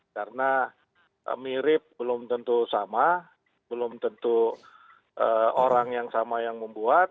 karena mirip belum tentu sama belum tentu orang yang sama yang membuat